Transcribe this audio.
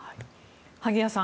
萩谷さん